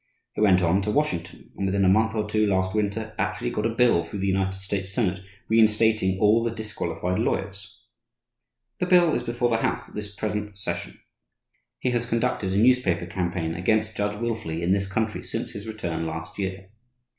He went on to Washington, and within a month or two last winter actually got a bill through the United States Senate reinstating all the disqualified lawyers. The bill is before the House at this present session. He has conducted a newspaper campaign against Judge Wilfley in this country since his return last year.